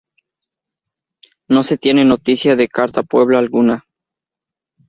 No se tiene noticia de Carta Puebla alguna.